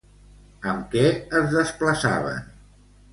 Amb què es desplaçaven?